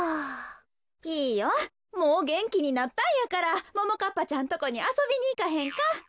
もうげんきになったんやからももかっぱちゃんとこにあそびにいかへんか？